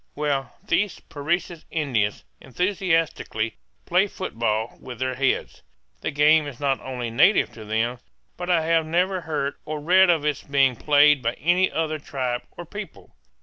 Well, these Parecis Indians enthusiastically play football with their heads. The game is not only native to them, but I have never heard or read of its being played by any other tribe or people.